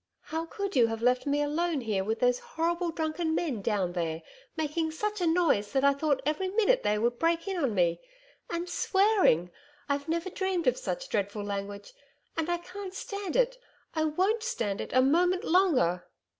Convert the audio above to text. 'How could you have left me alone here with those horrible drunken men down there making such a noise that I thought every minute they would break in on me? And swearing! I've never dreamed of such dreadful language; and I can't stand it I won't stand it a moment longer.'